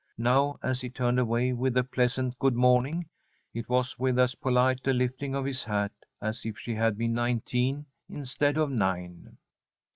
Now, as he turned away, with a pleasant good morning, it was with as polite a lifting of his hat as if she had been nineteen instead of nine.